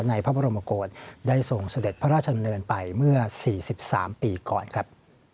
ในพระบรมโกศได้ส่งเสด็จพระราชดำเนินไปเมื่อ๔๓ปีก่อนครับ